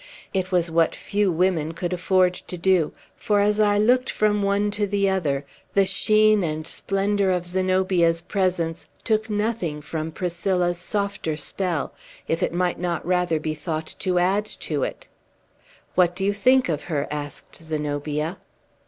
It was what few women could afford to do; for, as I looked from one to the other, the sheen and splendor of Zenobia's presence took nothing from Priscilla's softer spell, if it might not rather be thought to add to it. "What do you think of her?" asked Zenobia.